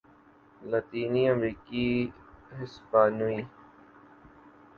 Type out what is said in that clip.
لاطینی امریکی ہسپانوی